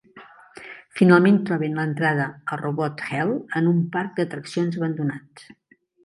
Finalment troben l'entrada a Robot Hell en un parc d'atraccions abandonat.